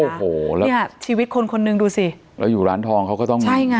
โอ้โหแล้วเนี่ยชีวิตคนคนหนึ่งดูสิแล้วอยู่ร้านทองเขาก็ต้องใช่ไง